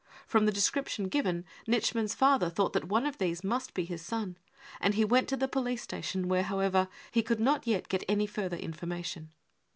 From the^ description given, Nitsch mann's father thought that on@ of these must be his son, and he went to the police station, where however he could not yet get any further information.